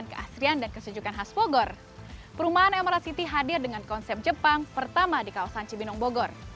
perumahan emerald city hadir dengan konsep jepang pertama di kawasan cibinong bogor